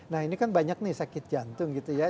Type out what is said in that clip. nah ini kan banyak nih sakit jantung gitu ya